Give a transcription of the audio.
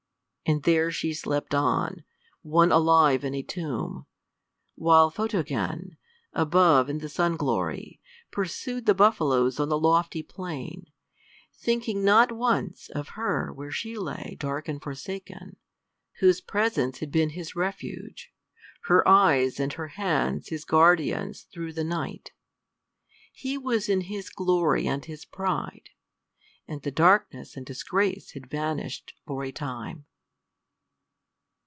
And there she slept on, one alive in a tomb, while Photogen, above in the sun glory, pursued the buffaloes on the lofty plain, thinking not once of her where she lay dark and forsaken, whose presence had been his refuge, her eyes and her hands his guardians through the night. He was in his glory and his pride; and the darkness and its disgrace had vanished for a time.